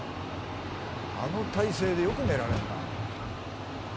あの体勢でよく寝られるな。